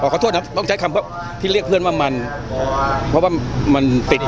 ขอโทษนะต้องใช้คำว่าที่เรียกเพื่อนว่ามันเพราะว่ามันติด